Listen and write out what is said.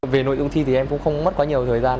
về nội dung thi thì em cũng không mất quá nhiều thời gian